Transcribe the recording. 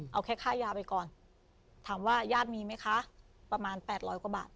เอาแค่ค่ายาไปก่อนถามว่าญาติมีไหมคะประมาณ๘๐๐กว่าบาท